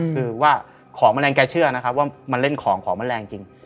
คือว่าของแมลงแกเชื่อนะครับว่ามันเล่นของของแมลงจริง